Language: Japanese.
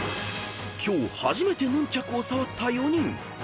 ［今日初めてヌンチャクを触った４人］